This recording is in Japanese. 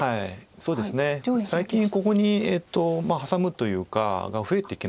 そうですね最近ここにハサむというかが増えてきましたよね。